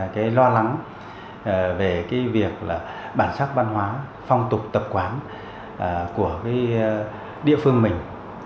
cái lo lắng về cái việc là bản sắc văn hóa phong tục tập quán của cái địa phương mình